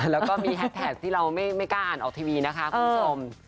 แล้วก็มีแฮสแท็กที่เราไม่กล้าอ่านออกทีวีนะคะคุณผู้ชม